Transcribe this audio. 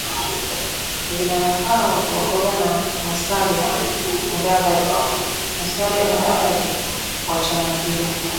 Vinara hao wakiongozwa na Musalia Mudavadi wa chama kile